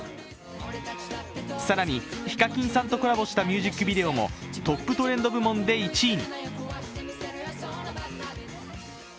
更に、ＨＩＫＡＫＩＮさんとコラボしたミュージックビデオもトップトレンド部門で１位に。